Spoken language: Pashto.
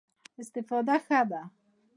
استفاده ښه ده.